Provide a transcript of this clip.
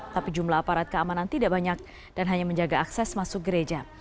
tapi jumlah aparat keamanan tidak banyak dan hanya menjaga akses masuk gereja